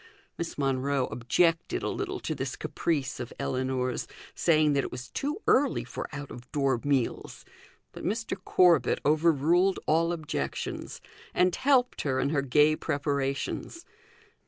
Miss Monro objected a little to this caprice of Ellinor's, saying that it was too early for out of door meals; but Mr. Corbet overruled all objections, and helped her in her gay preparations.